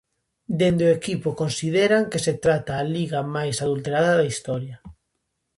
Dende o equipo consideran que se trata a "liga máis adulterada da historia".